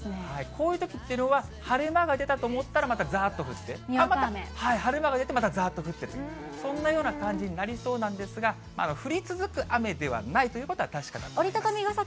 こういうときというのは、晴れ間が出たと思ったらまたざーっと降って、また晴れ間が出て、またざーっと降る、そんなような感じになりそうなんですが、降り続く雨ではないということは確かだと思います。